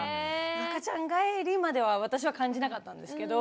赤ちゃん返りまでは私は感じなかったんですけど。